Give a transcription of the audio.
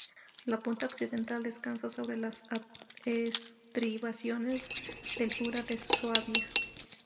La punta occidental descansa sobre las estribaciones del Jura de Suabia.